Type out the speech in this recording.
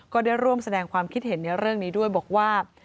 ก็ได้ร่วมแสดงความคิดเห็นในเรื่องนี้ด้วยบอกว่า